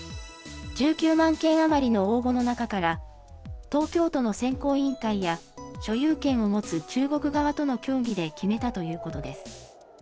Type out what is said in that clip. １９万件余りの応募の中から、東京都の選考委員会や、所有権を持つ中国側との協議で決めたということです。